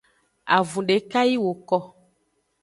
Avun deka yi woko.